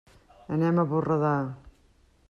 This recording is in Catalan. Anem a Borredà.